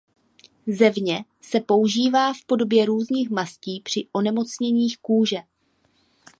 Zevně se používá v podobě různých mastí při onemocněních kůže.